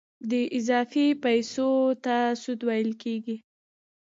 دې اضافي پیسو ته سود ویل کېږي